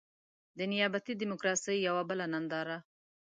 د نيابتي ډيموکراسۍ يوه بله ننداره.